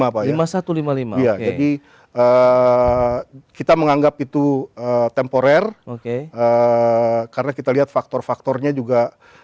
pak ya lima ribu satu ratus lima puluh lima ya jadi kita menganggap itu temporer oke karena kita lihat faktor faktornya juga